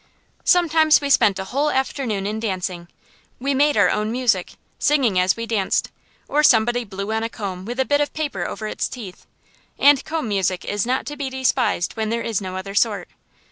Sometimes we spent a whole afternoon in dancing. We made our own music, singing as we danced, or somebody blew on a comb with a bit of paper over its teeth; and comb music is not to be despised when there is no other sort.